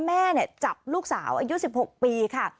แม่จับลูกสาวอายุ๑๖ปีค่ะ